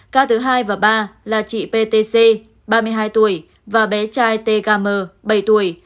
ca thứ hai và ba là chị ptc ba mươi hai tuổi và bé trai tkm bảy tuổi